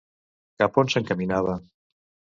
Cap a on s'encaminava?